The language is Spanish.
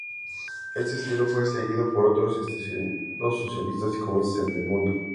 Este estilo fue seguido por otros estados socialistas y comunistas en el mundo.